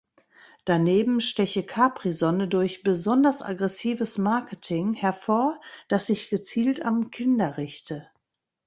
Daneben steche Capri-Sonne durch „besonders aggressives Marketing“ hervor, das sich gezielt an Kinder richte.